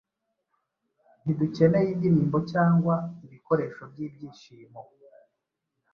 Ntidukeneye indirimbo, cyangwa ibikoresho byibyishimo